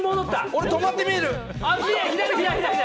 俺、止まって見える。